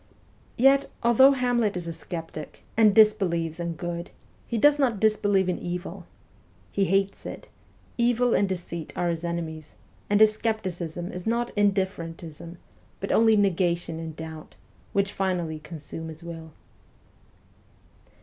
Yet, although Hamlet is a sceptic, and disbelieves in Good, he does not disbelieve in Evil. He hates it ; Evil and Deceit are his enemies; and his scepticism is not in differentism, but only negation and doubt, which finally consume his will.'